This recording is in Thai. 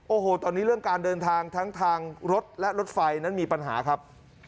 โอ้โหตอนนี้เรื่องการเดินทางทั้งทางรถและรถไฟนั้นมีปัญหาครับ